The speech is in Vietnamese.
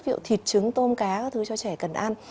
ví dụ thịt trứng tôm cá các thứ cho trẻ cần ăn